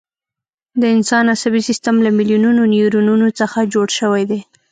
د انسان عصبي سیستم له میلیونونو نیورونونو څخه جوړ شوی دی.